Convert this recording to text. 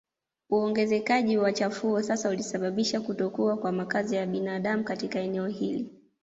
Uongezekaji wa chafuo sasa ulisababisha kutokuwa kwa makazi ya binadamu katika eneo hili